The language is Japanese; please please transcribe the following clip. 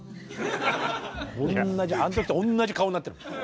同じあん時と同じ顔になってる。